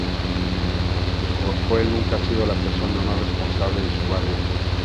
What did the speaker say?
Joel nunca ha sido la persona más responsable de su barrio.